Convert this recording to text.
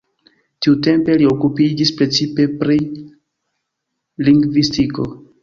Tiutempe li okupiĝis precipe pri lingvistiko.